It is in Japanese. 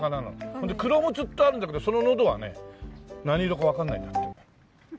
そんでクロムツってあるんだけどその喉はね何色かわかんないんだって。